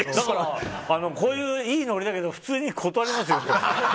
こういう、いいノリだけど普通に断りますよ。